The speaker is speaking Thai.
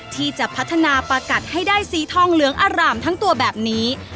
ที่จะพัฒนาประกัดให้ได้สีทองเหลืองอร่ามทั้งตัวแบบนี้